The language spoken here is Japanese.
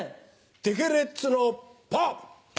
テケレッツのパー。